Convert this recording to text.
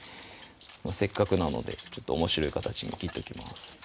せっかくなのでおもしろい形に切っときます